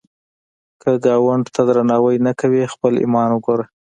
که ګاونډي ته درناوی نه کوې، خپل ایمان وګوره